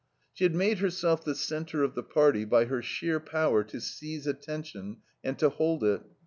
She had made herself the centre of the party by her sheer power to seize attention and to hold it.